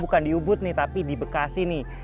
bukan di ubud nih tapi di bekasi nih